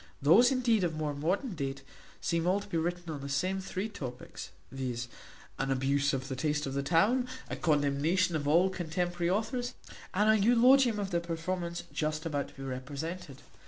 Those indeed of more modern date, seem all to be written on the same three topics, viz., an abuse of the taste of the town, a condemnation of all contemporary authors, and an eulogium on the performance just about to be represented.